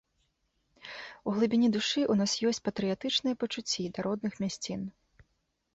У глыбіні душы ў нас ёсць патрыятычныя пачуцці да родных мясцін.